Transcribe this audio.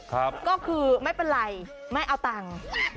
ก็คือไม่เป็นไรไม่เอาตังค์